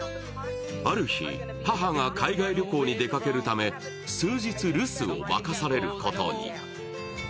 ある日、母が海外旅行へ出かけるため数日留守を任されることに。